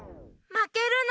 まけるな。